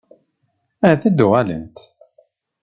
Ahat ad d-uɣalent?